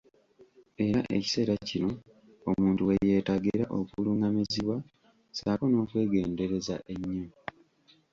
Era ekiseera kino omuntu we yeetaagira okulungamizibwa saako n'okwegendereza ennyo!